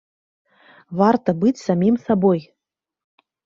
Варта быць самім сабой!